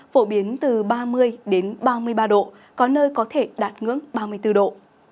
phổ biến từ ba mươi ba mươi ba độ có nơi có thể đạt ngưỡng ba mươi bốn độ